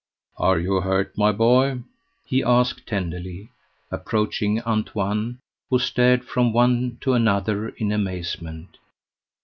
"Are you hurt, my boy?" he asked tenderly, approaching Antoine, who stared from one to another in amazement.